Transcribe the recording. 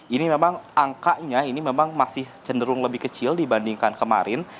ini memang angkanya ini memang masih cenderung lebih kecil dibandingkan kemarin